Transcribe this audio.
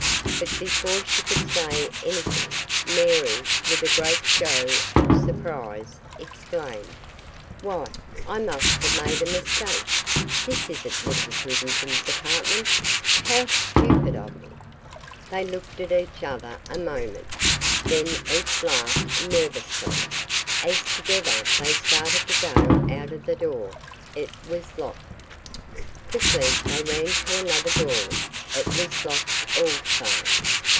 But before she could say anything, Mary, with a great show of surprise, exclaimed, "Why, I must have made a mistake. This isn't Mrs. Rivington's apartment. How stupid of me." They looked at each other a moment. Then each laughed nervously, as together they started to go out of the door. It was locked! Quickly they ran to another door. It was locked, also.